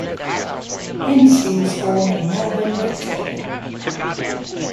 Hensby was born in Melbourne, Victoria.